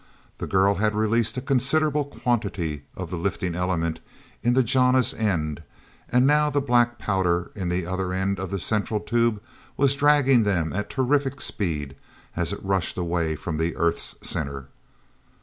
The girl had released a considerable quantity of the lifting element in the jana's end, and now the black powder in the other end of the central tube was dragging them at terrific speed as it rushed away from the earth's center.